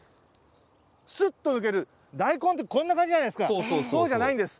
すっと抜ける、大根って、こんな感じじゃないですか、そうじゃないんです。